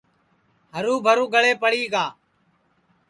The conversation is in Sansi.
ہرُو بھرو گݪے پڑی گا